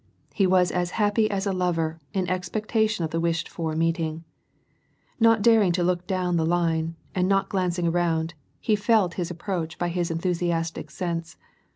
He was as happy as a lover, in expec tation of the wished for meeting ! Not daring to look down the line, and not glancing around, he felt his approach by his enthusiastic sense.